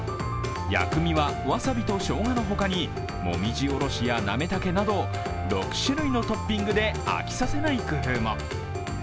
薬味はわさびとしょうがのほかに、もみじおろしやなめたけなど６種類のトッピングで飽きさせない工夫も。